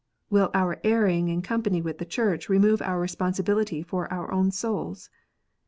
Will our erring in com pany with the Church remove our responsibility for our own souls